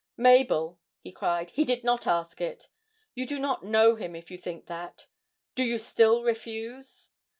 'Mabel,' he cried, 'he did not ask it you do not know him if you think that. Do you still refuse?'